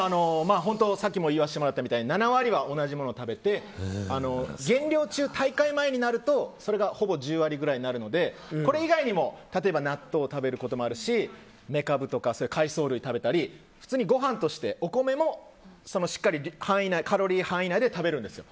本当、さっきも言わせてもらったみたいに７割は同じものを食べて減量中、大会前になるとそれがほぼ１０割くらいになるとこれ以外にも例えば納豆を食べることもあるしメカブとか海藻類を食べたり普通にごはんとしてお米もしっかりカロリー範囲内で食べるんですよ。